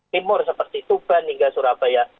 timur seperti tuban hingga surabaya